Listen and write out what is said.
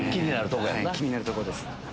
気になるところです。